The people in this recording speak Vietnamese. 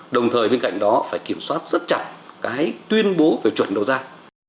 đồng thời bên cạnh đó phải kiểm soát rất chặt cái tuyên bố về chuẩn đào tạo